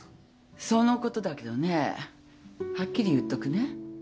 そのことだけどねはっきり言っとくね。